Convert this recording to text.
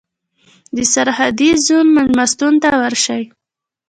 د سرحدي زون مېلمستون ته ورشئ.